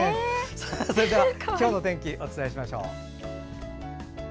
それでは今日の天気をお伝えします。